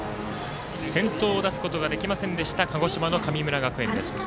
先頭を出すことができませんでした鹿児島の神村学園。